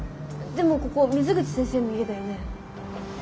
でもここ水口先生の家だよね。